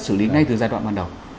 sử lý ngay từ giai đoạn ban đầu